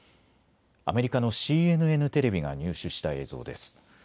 アメリカのＣＮＮテレビが入手した映像です。